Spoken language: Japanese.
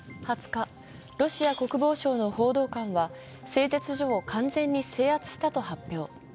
２０日、ロシア国防省の報道官は製鉄所を完全に制圧したと発表。